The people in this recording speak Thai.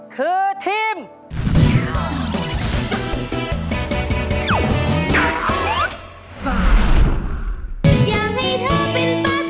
คือทีม